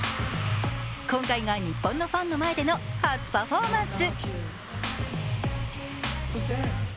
今回が日本のファンの前での初パフォーマンス。